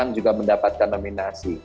inang juga mendapatkan nominasi